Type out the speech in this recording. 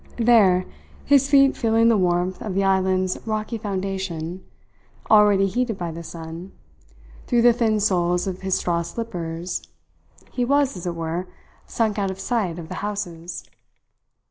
There, his feet feeling the warmth of the island's rocky foundation already heated by the sun, through the thin soles of his straw slippers he was, as it were, sunk out of sight of the houses.